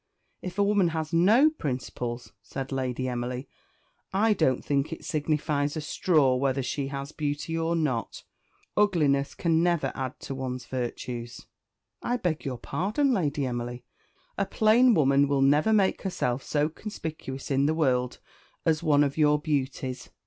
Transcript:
"If a woman has no principles," said Lady Emily, "I don't think it signifies a straw whether she has beauty or not ugliness can never add to one's virtue." "I beg your pardon, Lady Emily; a plain woman will never make herself so conspicuous in the world as one of your beauties."